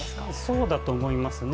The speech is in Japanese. そうだと思いますね。